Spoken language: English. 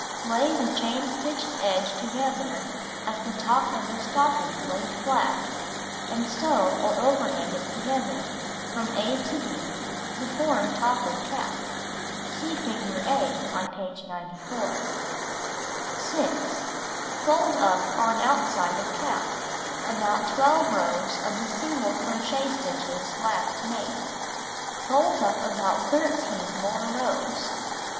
Lay the chain stitched edge together like the top of a stocking laid flat, and sew or overhand it together from a to b to form top of cap. (See figure A on page 94) . 6. Fold up on outside of cap, about 12 rows of the single crochet stitches last made. Fold up about 13 more rows.